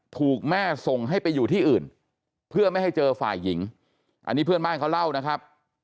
ถูกแม่ส่งให้ไปอยู่ที่อื่นเพื่อไม่ให้เจอฝ่ายหญิงอันนี้เพื่อนบ้านเขาเล่านะครับ